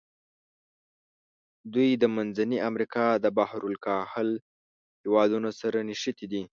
دوی د منځني امریکا د بحر الکاهل هېوادونو سره نښتي دي.